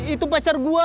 itu pacar gua